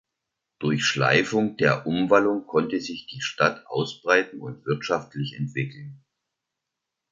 Durch Schleifung der Umwallung konnte sich die Stadt ausbreiten und wirtschaftlich entwickeln.